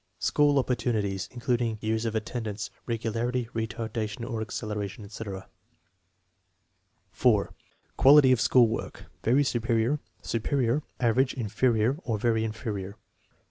School opportunities, including years of attendance, regu larity, retardation or acceleration, etc. 4. Quality of school work (very superior, superior, average, in ferior, or very inferior).